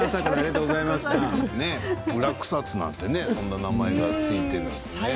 裏草津なんてそんな名前があるんですね。